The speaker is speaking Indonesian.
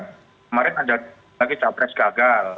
kemarin ada lagi capres gagal